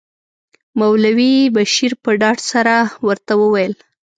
مولوي بشیر په ډاډ سره ورته وویل.